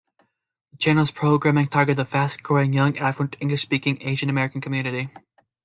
The channel's programming targeted the fast-growing, young, affluent, English-speaking Asian-American community.